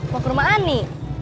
mau ke rumah ani